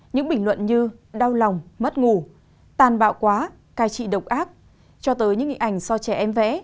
những bình luận như đau lòng mất ngủ tàn bạo quá cai trị độc ác cho tới những nghị ảnh do trẻ em vẽ